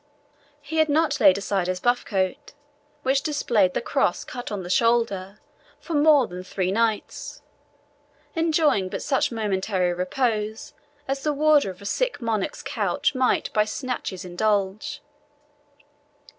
He had not laid aside his buff coat, which displayed the cross cut on the shoulder, for more than three nights, enjoying but such momentary repose as the warder of a sick monarch's couch might by snatches indulge.